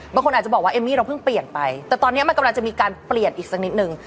บางคนอาจจะบอกว่าเอมมี่เราเพิ่งเปลี่ยนไปแต่ตอนนี้มันกำลังจะมีการเปลี่ยนอีกสักนิดนึง